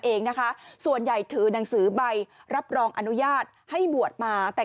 เองนะคะส่วนใหญ่ถือหนังสือใบรับรองอนุญาตให้บวชมาแต่